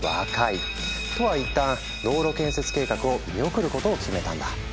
都は一旦道路建設計画を見送ることを決めたんだ。